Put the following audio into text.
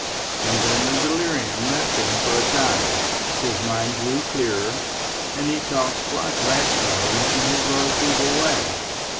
And then the delirium left him for a time, his mind grew clearer, and he talked quite rationally in his low feeble way.